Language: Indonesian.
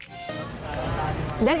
dan itu saja